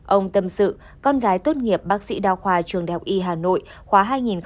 ông tâm sự con gái tốt nghiệp bác sĩ đa khoa trường đại học y hà nội khóa hai nghìn một mươi ba hai nghìn một mươi chín